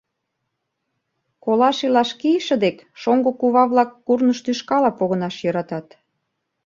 Колаш-илаш кийыше дек шоҥго кува-влак курныж тӱшкала погынаш йӧратат.